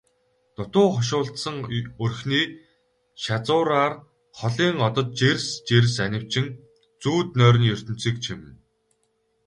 Дутуу хошуулдсан өрхний шазуураар холын одод жирс жирс анивчин зүүд нойрны ертөнцийг чимнэ.